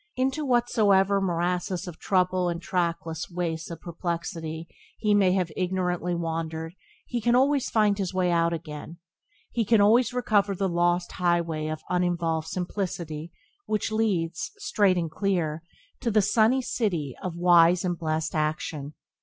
Into whatsoever morasses of trouble and trackless wastes of perplexity he may have ignorantly wandered he can always find his way out again, can always recover the lost highway of uninvolved simplicity which leads, straight and clear, to the sunny city of wise and blessed action.